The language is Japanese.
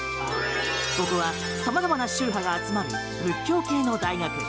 ここは、様々な宗派が集まる仏教系の大学。